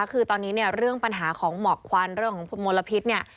คือตอนนี้เนี่ยเรื่องปัญหาของหมอกควันเรื่องของมลพิษเนี่ย